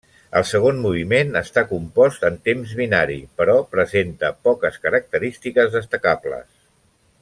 El segon moviment està compost en temps binari, però presenta poques característiques destacables.